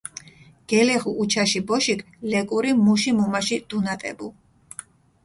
გელეღუ უჩაში ბოშიქ ლეკური მუში მუმაში დუნატებუ.